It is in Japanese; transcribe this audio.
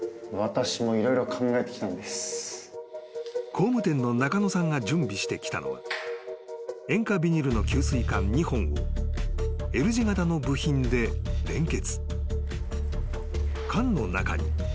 ［工務店の中野さんが準備してきたのは塩化ビニールの給水管２本をＬ字形の部品で連結］